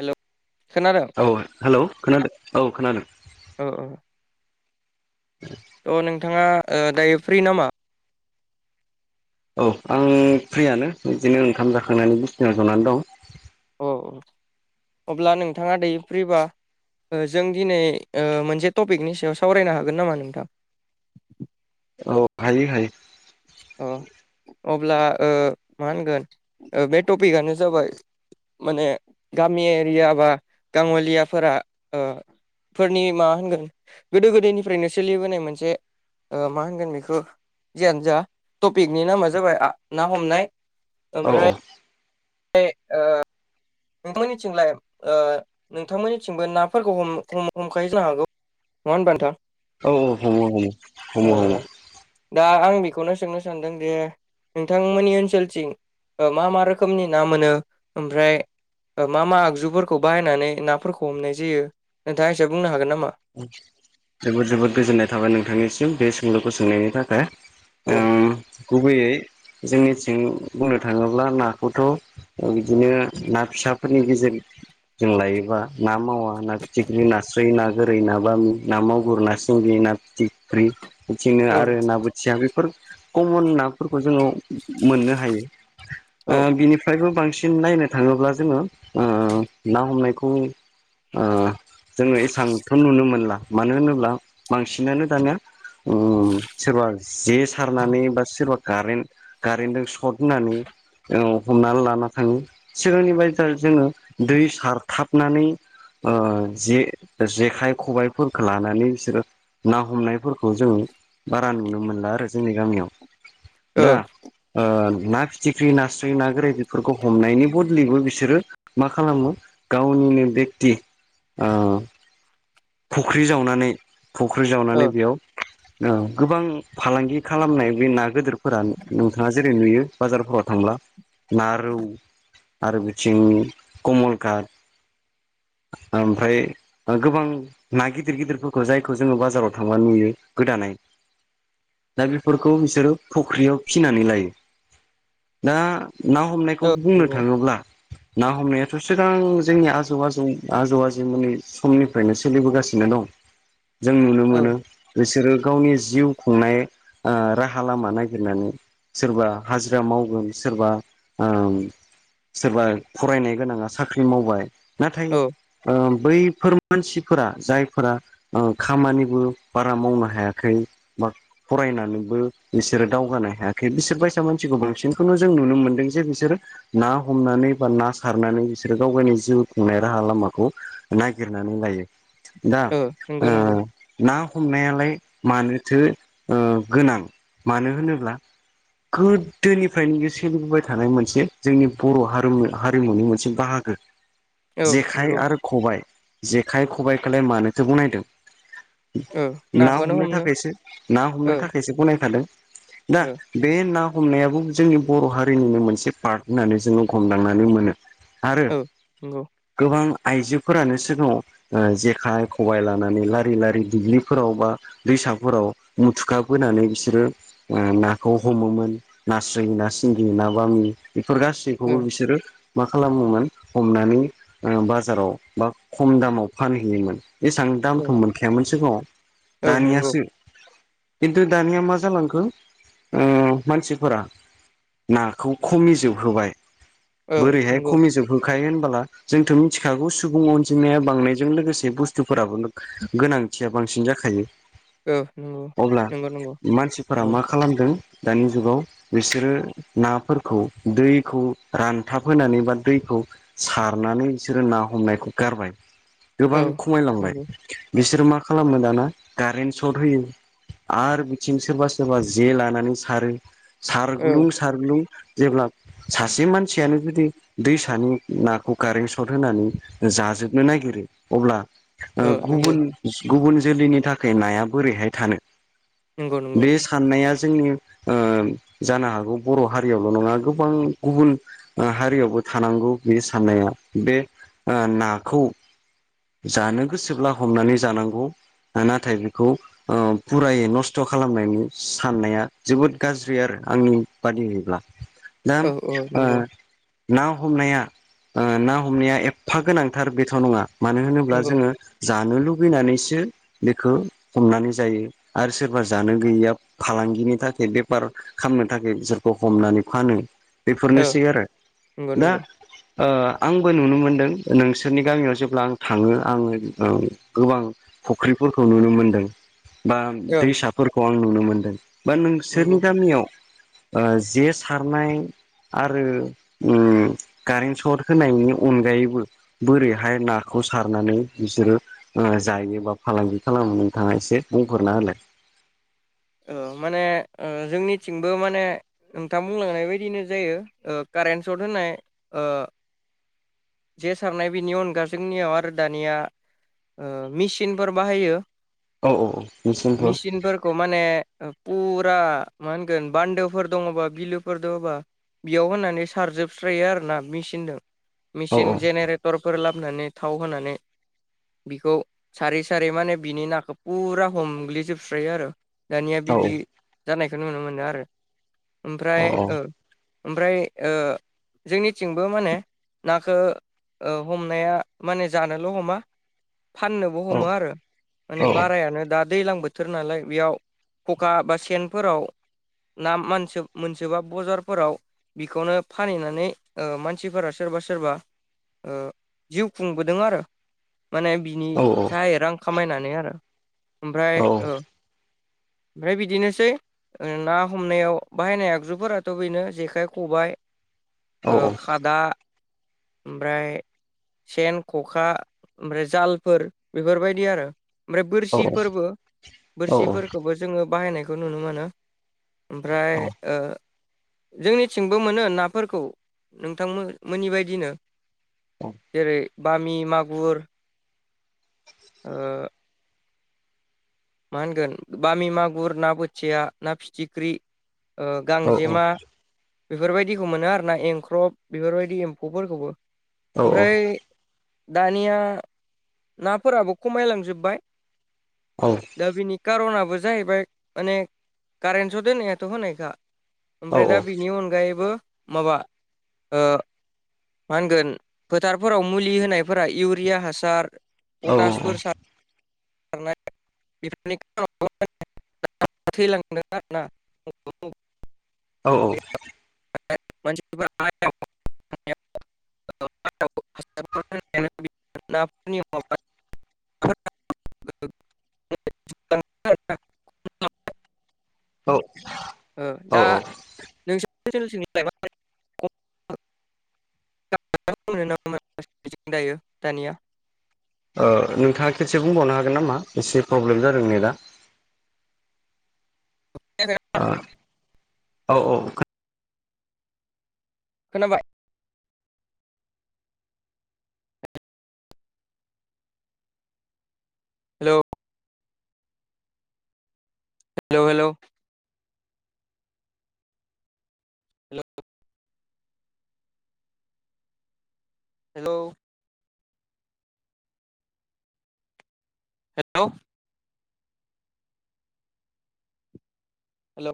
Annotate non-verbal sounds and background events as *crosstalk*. Hello खोनादों औ hello खोनादों औ खोनादों। औ थ' नोंथाङा दायो फ्रि नामा? औ आं फ्रियानो बिदिनो ओंखाम जाखांनानै बिसनायाव जनानै दं। औ औ अब्ला नोंथाङा दायो फ्रिबा जों दिनै मोनसे टपिकनि सायाव सावरायनो हागोन नामा नोंथां? औ हायो हायो। अ अब्ला मा होनगोन बे टपिकानो जाबाय। माने गामि एरिया बा गाङलियाफोरा फोरनि मा होनगोन गोदो गोदायनिफ्रायनो सोलिबोनाय मोनसे मा होनगोन बेखौ जियानो जा टपिकनि नामा जाबाय ना हमनाय। औ औ ए ओ नोंथांमोननिथिंलाय नोंथांमोननिथिंबो नाफोरखौ हम हमखायो जानो हागौ। नङा होमबा नोंथां? औ औ हमो हमो ओ हमो ओ हमो। दा आं बेखौनो सोंनो सानदों जे नोंथांमोननि ओनसोलथिं मा मा रोखोमनि ना मोनो। ओमफ्राय मा मा आगजुफोरखौ बाहायनानै नाफोरखौ हमनाय जायो। नोंथाङा एसे बुंनो हागोन नामा? जोबोद जोबोद गोजोननाय थाबाय नोंथांनिसिम बे सोंलुखौ सोंनायनि थाखाय औ गुबैयै जोंनिथिं बुंनो थाङोब्ला नाखौथ' बिदिनो ना फिसाफोरनि गेजेर जों लायोबा ना मावा ना फिथिख्रि नास्रै ना ओरै ना बामि ना मागुर ना सिंगि ना फिथिख्रि बिदिनो औ आरो ना बोथिया बेफोर कमन ना फोरखौ‌ जोङो मोननो हायो ओ औ बिनिफ्रायबो बां बांसिन नायनो थाङोब्ला जोङो ओ ना हमनायखौ जोङो एसां मानो होनोब्ला बांसिनानो दानिया उम सोरबा जे सारनानै बा सोरबा कारेन्ट कारेन्टजों सर्ट हनानै औ हमनानै लाना थाङो सिगांनि बायसा जोङो दै सारथाबनानै अ जे जे खाइ खबाइफोरखौ लानानै बिसोरो ना हमनायफोरखौ जों बारा नुनो मोनला आरो जोंनि गामियाव दा ओ ना फिथिख्रि नास्राय ना गोराय बेफोरखौ हमनायनि बदलिबो बिसोरो मा खालामो गाव नि बेक्ति ओ फुख्रि जावनानै फुख्रि ओ जावनानै बेयाव औ गोबां फालांगि खालामनाय बे ना गोदोरफोरा नोंथाङा जेरै नुयो। बाजारफोराव थांब्ला ना रौ आरो बिथिं कमल काट ओमफ्राय गोबां ना गिदिर गिदिरफोरखौ जायखौ जोङो बाजाराव थांना नुयो गोदानानै। दा बेफोरखौ बिसोरो फुख्रियाव फिसिनानै लायो दा। ना हमनायखौ ओ बुंनो नंगौ थाङोब्ला। ना हमनायाथ' सिगां जोंनि आजौ आजौ आजौ आजौमोनि समनिफ्रायनो सो सोलिबोगासिनो दं जों नुनो ओ औ मोनो बिसोरो गावनि जिउ खुंनाय ओ राहा लामा नागिरनानै सोरबा हाजिरा मावगोन सोरबा ओ सोरबा फरायनाय गोनाङा साख्रि मावबाय नाथाय ओ बैफोर मानसि फोरा जायफोरा खामानिबो बारा मावनो हायाखै बा फरायनानै बिसोरो दावगानो हायाखै बिसोर बायसा मानसिखौ बांसिनखौ जों नुनो मोनदों जे बिसोरो ना हमनानै बा ना सारनानै बिसोरो गाव गावनि जिउ खुंनाय राहा लामाखौ नागिरनानै लायो। दा ओ नंगौ नंगौ ओ ना हमनायालाय मानोथो ओ गोनां मानो होनोब्ला गोदोनिफ्रायनो सोलिबोबाय थानाय मोनसे जोंनि बर' हारिमु हारिमुनि मोनसे बाहा गो औ जेखाइ नंगौ आरो खबाइ जेखाइ खबाइखौलाय मानोथो बनायदों? ओ ना नाखौनो हमनो थाखायसो ना ओ हमनो थाखायसो बनायखादों। दा ओ बे ना हमनायाबो जोंनि बर' हारिनिनो मोनसे पार्ट होननानै जोङो हमदांनानै मोनो। आरो औ नंगौ गोबां आइजोफोरानो सिगाङाव ओ जेखाय खबबाय लानानै लारि लारि दुब्लिफोराव बा दैसाफोराव मुथुखाबोना नानै बिसोरो नाखौ हमोमोन नास्राय, ना सिंगि, ना बामि बेफोर ओ गासैखौबो बिसोरो मा खालामोमोन हमनानै बाजाराव बा खम दामाव फानहैयोमोन। एसां औ दामथ' मोनखायामोन सिगाङाव औ नंगौ दानियासो खिन्थु दानिया मा जालांखो उम मानसिफोरा नाखौ खमिजोबहोबाय ओ बोरैहाय नंगौ खमिजोबहोखायो होनबोला जोंथ' मिथिखागौ सुबुं अनजिमाया बांनाय जों लोगोसे बुस्थुफोराबो गोनांथिया बांसिन जाखायो। औ अब्ला नंगौ नंगौ मानसिफोरा नंगौ मा खालामदों दानि जुगाव बिसोरो नाफोरखौ दैखौ रानथाब होनानै बा दै खौ सारनानै बिसोरो ना हमनायखौ गारबाय औ गोबां खमायलांबाय नंगौ बिसोरो मा खालामो दाना कारेन्ट सर्ट होयो। आरो बिथिं सोरबा सोरबा जे लानानै सारो औ सारग्लुं सारग्लुं जेब्ला सासे मानसियानो जुदि दैसानि नाखौ कारेन्ट सर्ट होनानै ज जोबनो नागिरै अब्ला ओ नंगौ गुबुन गुबुन जोलैनि थाखाय नाया बोरैहाय थानो नंगौ नंगौ बे साननाया जोंनि जानो हागौ बर' हारियावल' नङा गोबां गुबुन हारियाव थानांगौ बेनि साननाया बे नाखौ जानो गोसोब्ला हमनानै जानांगौ। नाथाय बेखौ फुरायै नस्थ' खालामनायनि साननाया जोबोद गाज्रि आरो आंनि बादियोब्ला दा औ औ ओ नंगौ ना हमनाया ना हमनाया एफा गोनांथार बेथ' नङा मानो होनोब्ला नंगौ जोङो जानो लुबैनानैसो बेखौ हमनानै जायो आरो सोरबा जानो गैयैया फालांग गिनि थाखाय बेफार खालामनो थाखाय बिसोरखौ हमनानै फानो औ बेफोरनोसै आरो नंगौ दा नंगौ ओ आंबो नुनो मोनदों नोंसोरनि गामियाव जेब्ला आं थाङो आङो गोबां फुख्रिफोरखौ नुनो मोनदों। बा औ दैसाफोरखौ आं नुनो मोनदों बा नंगौ नोंसोरनि गामियाव जे सारनाय आरो कारेन्ट सर्ट होनायनि अनगायैबो बोरैहाय ना बे खौ सारनानै बिसोरो जायो बा फालांगि खालामनानैोंथाङा एसे बुंफोररना होलाय *inaudible* ओ माने ओ जोंनिथिंबो माने नोंथां बुंलांनाय बायदिनो जायो। ओ कारेन्ट सट होनाय जे सारनाय बेनि अनगा जोंनियाव आरो दानिया मेसिनफोर बाहायो। औ औ निसिमफुर मेचिनफोरखौ माने फुरा मा होनगोन बान्दोफोर दङबा बिलोफोर दङबा बेयाव होननानै सारजोबस्रायो आरोोना मेचिनजों औ मेचिन जेनेरेटरफोर लाबोनानै थाव होनानै बिखौ सारै सारै माने बिनि नाखौ फुरा हमग्लिजोबस्रायो आरो। दानिया औ बिदि जानायखौ नुनो मोनो आरो। ओमफ्राय औ ओमफ्राय जोंनिथिंबो माने नाखौ हमनाया माने जानोल' हमा। फाननोबो औ हमो आरो औ माने बारायानो दा दैज्लां बोथोर नालाय बेयाव खखा बा सेनफोराव ना मान मोनसेोबा बजारफोराव बेखौनो फानहनानै मानसिफोरासो सोरबा सोरबा जिउ खुंबोदों आरो। माने बिनि औ साय रां खामायनानै आरो। ओमफ्राय ओमफ्राय बिदिनोसै ना हमनायाव बाहायनाय आगजुफोराथ' बेनो जेखाइ खबायाइ औ औ खादा ओमफ्राय सेन ख'खा ओमफ्राय जालफोर बेफोरबायदि आरो ओमफ्राय बोरसिफोरबो बोरसिफोरखौबो जोङो बाहायनायखौ नुनो मोनो। ओमफ्राय जोंनिथिंबो मोनो नाफोरखौ नोंथांमोन मोननि बदिनो औ जेरै बामि मागुर *inaudible* मा होनगोन बामि मागुर ना बोथिया ना फिथिख्रि औ औ गांजेमा बेफोरबायदिखौ मोनो आरोना एंख्रब बेफोरबायदि एम्फौफोरखौबो औ ओमफ्राय दानिया नाफोराबो खमायलांजोब्बाय औ दा बेनि कार'नाबो जाहैबाय माने कारेन्टस' दोननायाथ' होनायखा। औ ओमफ्राय दा बिनि अनगायैबो माबा मा होनगोन फोथारफोराव मुलि होनायफोरा इउरिया हासार औ औ औ पटासफोर सार *unintelligible* थैलांदों। औ औ म *unintelligible* *inaudible* *unintelligible* औ दा औ नोंसोर दायो दानिया नोंथाङा खेसे बुंबावनो हागोन नामा एसे प्रब्लेम जादों नै दा औ औ औ खोनाबाय hello hello hello hello hello hello hello